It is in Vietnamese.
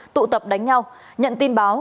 tụ tập đánh nhau nhận tin báo